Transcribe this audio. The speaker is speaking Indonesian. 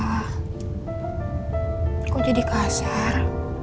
aku jadi kasar